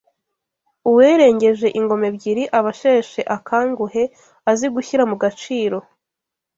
Uwirengeje ingoma ebyiri aba asheshe akanguhe azi gushyira mu gaciro